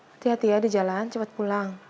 hati hati ya di jalan cepat pulang